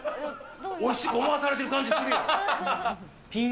おいしく思わされてる感じすピン